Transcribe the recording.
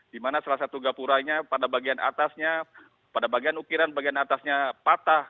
di mana salah satu gapuranya pada bagian atasnya pada bagian ukiran bagian atasnya patah